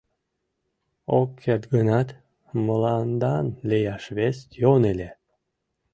— Ок керт гынат, мландан лияш вес йӧн ыле.